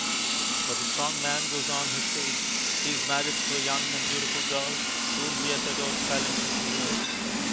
But the Strong Man goes on his way. He is married to a young and beautiful girl, whom he has adored silently for years.